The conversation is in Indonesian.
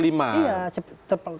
iya tetap lima